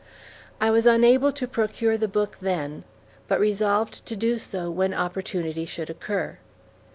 I was unable to procure the book then, but resolved to do so when opportunity should occur.